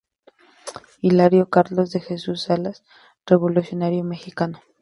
Hilario Carlos de Jesús Salas -Revolucionario mexicano-.